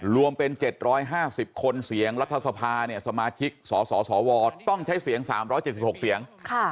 รวมเป็น๗๕๐คนเสียงรัฐสภาเนี่ยสมาชิกสสวต้องใช้เสียง๓๗๖เสียง